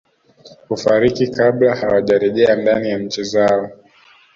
kufariki kabla hawajerejea ndani ya nchi zao